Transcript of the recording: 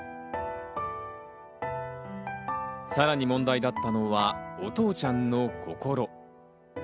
さらに問題だったのは、お父ちゃんの心。